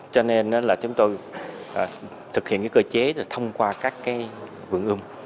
cho nên là chúng tôi thực hiện cơ chế thông qua các vườn ươm